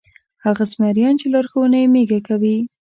هغه زمریان چې لارښوونه یې مېږه کوي.